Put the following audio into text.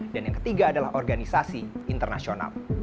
dan yang ketiga adalah organisasi internasional